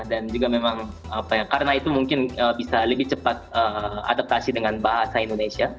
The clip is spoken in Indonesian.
dan juga memang karena itu mungkin bisa lebih cepat adaptasi dengan bahasa indonesia